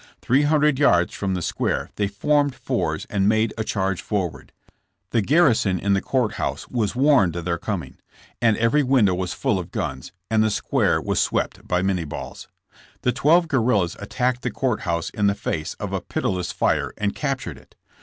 Three hundred yards from the square they formed fours and made a charge forward. The garrison in the court house was warned of their coming, and every window was full of guns, and the square was swept by minnie balls. The twelve guerrillas at tacked the court house in the face of a pitiless fire and captured it.